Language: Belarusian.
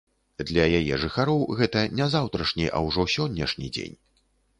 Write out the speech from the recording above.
Для яе жыхароў гэта не заўтрашні, а ўжо сённяшні дзень.